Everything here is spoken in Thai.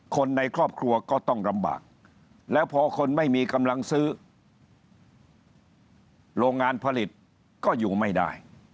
คนในครอบครัวก็ต้องลำบากแล้วพอคนไม่มีกำลังซื้อโรงงานผลิตก็อยู่ไม่ได้